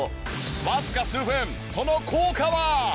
わずか数分その効果は？